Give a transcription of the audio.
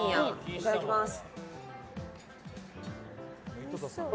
いただきます。